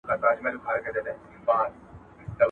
د ښخېدلو هڅه وکړه